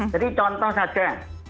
jadi contoh saja